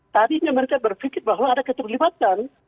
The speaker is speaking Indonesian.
tadinya mereka berpikir bahwa ada keterlibatan